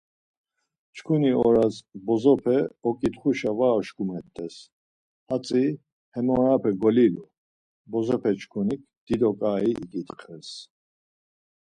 Çkuni oras bozope oǩitxuşa var oşkumet̆ez, hatzi hem orape golilu, bozopeçkunik dido ǩai iǩitxez.